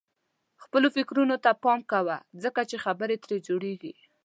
خپلو فکرونو ته پام کوه ځکه چې خبرې ترې جوړيږي.